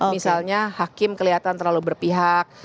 misalnya hakim kelihatan terlalu berpihak